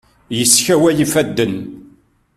Yeskaway ifaden.